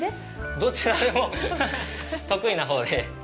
どちらでも得意なほうで。